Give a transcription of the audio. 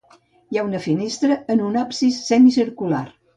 Hi ha una finestra en un absis semicircular.